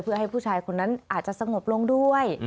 เพื่อให้ผู้ชายคนนั้นอาจจะสงบลงด้วย